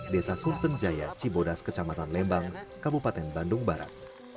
desa surtenjaya cibodas kecamatan lembang kabupaten bandung barat